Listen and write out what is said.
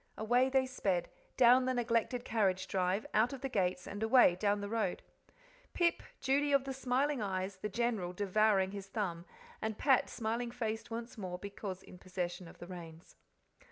Away they sped; down the neglected carriage drive, out of the gates, and away down the road. Pip, Judy of the shining eyes, the General devouring his thumb, and Pat smiling faced once more because in possession of the reins.